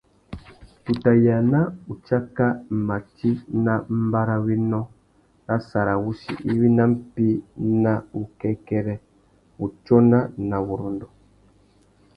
Tu tà yāna utsáka mati nà mbarrawénô râ sarawussi iwí nà mpí ná wukêkêrê, wutsôna na wurrôndô.